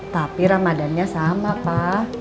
tapi ramadannya sama pa